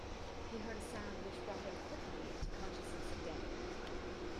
He heard a sound which brought him quickly into consciousness of day.